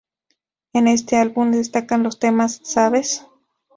En este álbum destacan los temas "¿Sabes?